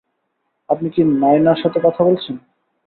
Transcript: আপনি কি কি নাইনার সাথে কথা বলেছেন?